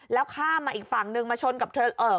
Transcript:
แล้วข้ามมาอีกฝั่งนึงมาชนกับเธอเอ่อ